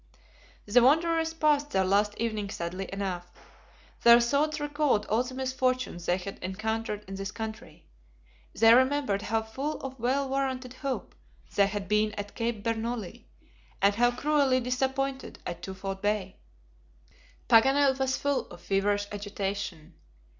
The wanderers passed their last evening sadly enough. Their thoughts recalled all the misfortunes they had encountered in this country. They remembered how full of well warranted hope they had been at Cape Bernouilli, and how cruelly disappointed at Twofold Bay! Paganel was full of feverish agitation.